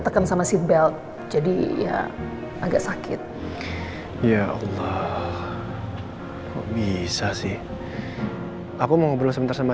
tekan sama si belt jadi ya agak sakit ya allah bisa sih aku mau ngobrol sebentar sama